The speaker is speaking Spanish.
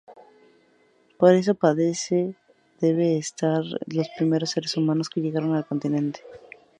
Por esto parece deberse a los primeros seres humanos que llegaron al continente.